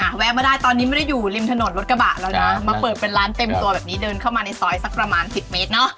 แวะมาได้ตอนนี้ไม่ได้อยู่ริมถนนรถกระบะแล้วนะมาเปิดเป็นร้านเต็มตัวแบบนี้เดินเข้ามาในซอยสักประมาณสิบเมตรเนอะ